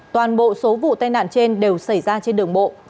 toàn bộ số vụ tai nạn trên đều xảy ra trên đường bộ